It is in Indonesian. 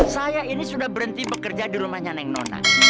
saya ini sudah berhenti bekerja di rumahnya neng nona